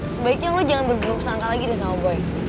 sebaiknya lo jangan berburu kesangka lagi deh sama boy